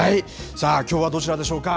さあ、きょうはどちらでしょうか。